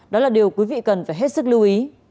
đó là điều quý vị cần phải hết sức lưu ý